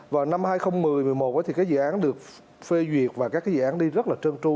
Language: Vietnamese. và năm hai nghìn một mươi hai nghìn một mươi một thì cái dự án được phê duyệt và các cái dự án đi rất là trơn tru